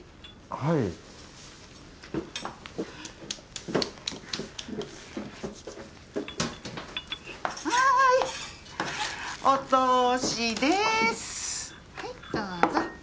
はいどうぞ。